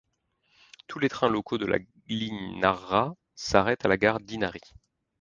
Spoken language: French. Tous les trains locaux de la ligne Nara s'arrêtent à la gare d'Inari.